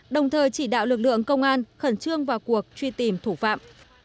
đồng thời chỉ đạo lực lượng công an khẩn trương vào cuộc truy tìm thủ phạm